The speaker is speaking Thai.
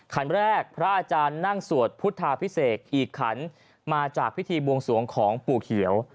คันแรกพระอาจารย์นั่งสวดพุทธาพิเศษอีกขันมาจากพิธีบวงสวงของปู่เขียว